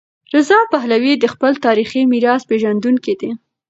رضا پهلوي د خپل تاریخي میراث پیژندونکی دی.